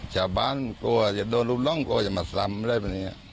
ชาวบ้านกลัวจะโดนลูกหลงกลัวจะมาซ้ำ